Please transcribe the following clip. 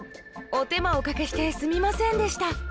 お手間おかけしてすみませんでした。